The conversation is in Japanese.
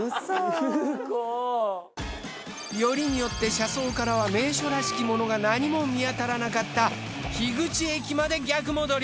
よりによって車窓からは名所らしきものが何も見当たらなかった樋口駅まで逆戻り。